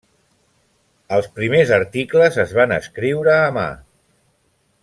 Els primers articles es van escriure a mà.